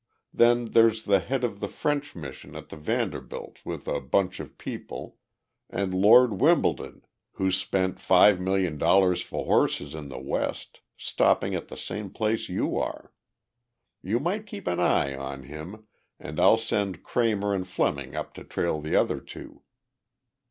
Then there's the head of the French Mission at the Vanderbilt with a bunch of people, and Lord Wimbledon, who's spent five million dollars for horses in the West, stopping at the same place you are. You might keep an eye on him and I'll send Kramer and Fleming up to trail the other two."